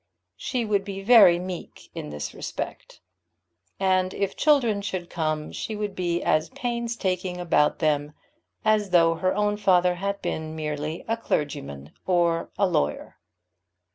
She would be very meek in this respect; and if children should come she would be as painstaking about them as though her own father had been merely a clergyman or a lawyer.